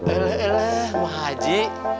eleh eleh ma haji